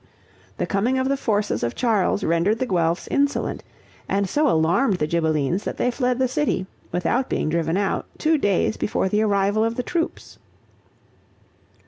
The coming of the forces of Charles rendered the Guelphs insolent, and so alarmed the Ghibellines that they fled the city, without being driven out, two days before the arrival of the troops.